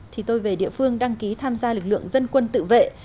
thì tôi về địa phương đăng ký tham gia lực lượng dân quân tự vệ